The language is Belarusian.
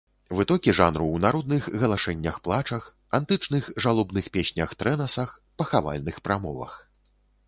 Вытокі жанру ў народных галашэннях-плачах, антычных жалобных песнях-трэнасах, пахавальных прамовах.